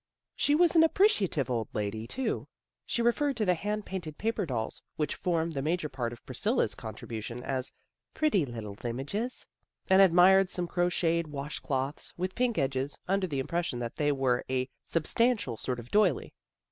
She was an appreciative old lady, too. She referred to the hand painted paper dolls, which formed the major part of Priscilla's contribu tion, as " pretty little images," and admired some crocheted wash cloths, with pink edges, under the impression that they were a substan tial sort of doily.